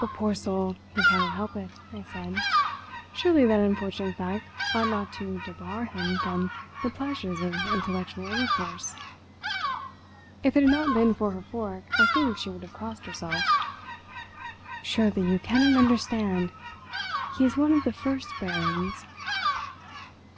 "But, poor soul, he cannot help it," I said. "Surely that unfortunate fact ought not to debar him from the pleasures of intellectual intercourse." If it had not been for her fork I think she would have crossed herself. "Surely you cannot understand. He is one of the First Barons."